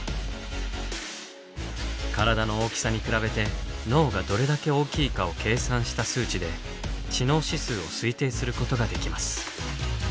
体の大きさに比べて脳がどれだけ大きいかを計算した数値で知能指数を推定することができます。